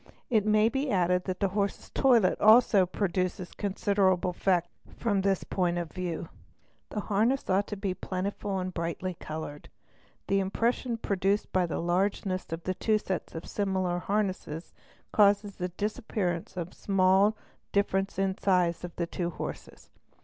It may be added that the horse's toilet also produces a considerable effect from this point of view; the harness ought to be plentiful and bright coloured; the impression produced by the — largeness of the two sets of similar harness causes the disappearance of — the small difference in the size of the two horses.